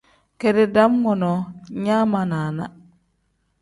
Keeri dam woro nyaa ma naana.